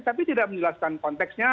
tapi tidak menjelaskan konteksnya